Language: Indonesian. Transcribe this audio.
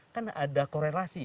kan ada korelasi